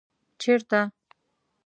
ـ چېرته ؟